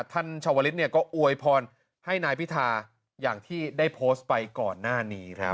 ชาวลิศก็อวยพรให้นายพิธาอย่างที่ได้โพสต์ไปก่อนหน้านี้ครับ